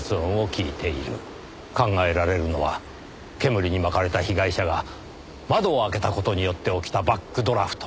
考えられるのは煙にまかれた被害者が窓を開けた事によって起きたバックドラフト。